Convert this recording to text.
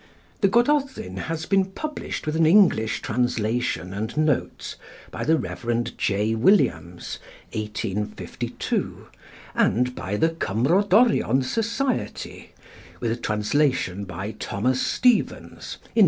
The 'Gododin' has been published with an English translation and notes by the Rev. J. Williams (1852); and by the Cymmrodorion Society, with a translation by Thomas Stevens, in 1885.